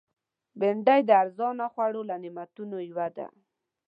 بېنډۍ د ارزانه خوړو له نعمتونو یوه ده